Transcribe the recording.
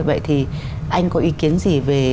vậy thì anh có ý kiến gì về